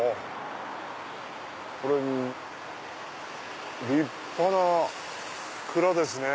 これ立派な蔵ですね。